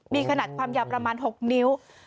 มีขนาดความยาวประมาณ๖นิ้ว